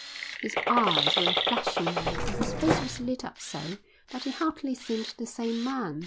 His eyes were flashing now and his face was lit up so that he hardly seemed the same man.